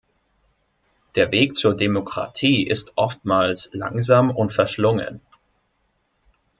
Der Weg zur Demokratie ist oftmals langsam und verschlungen.